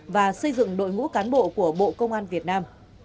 và xây dựng đội ngũ cán bộ của bộ công an việt nam